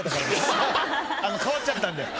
かわっちゃったんで。